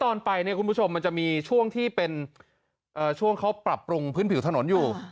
ตอนไปเนี่ยคุณผู้ชมมันจะมีช่วงที่เป็นช่วงเขาปรับปรุงพื้นผิวถนนอยู่